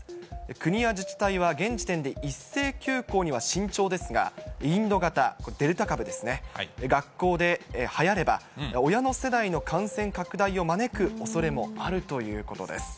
国や自治体は現時点で、一斉休校には慎重ですが、インド型、これ、デルタ株ですね、学校ではやれば、親の世代の感染拡大を招くおそれもあるということです。